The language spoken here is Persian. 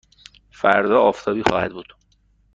فردا آفتابی خواهد بود.